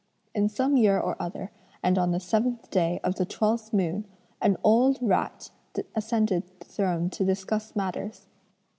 In some year or other and on the seventh day of the twelfth moon, an old rat ascended the throne to discuss matters.